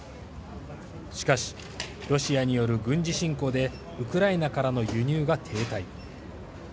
しかし、ロシアによる軍事侵攻でウクライナからの輸入が停滞。